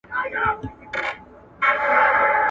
په يو تن كي سل سرونه سل غليمه!